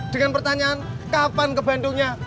dengan pertanyaan kapan ke bandungnya